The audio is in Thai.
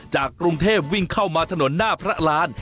จากกรุงเทพวิ่งเข้ามาถนนหน้าพระราน